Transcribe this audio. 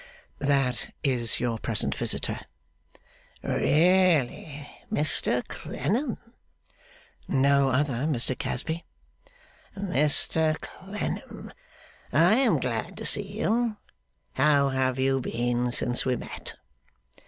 'That is your present visitor.' 'Really! Mr Clennam?' 'No other, Mr Casby.' 'Mr Clennam, I am glad to see you. How have you been since we met?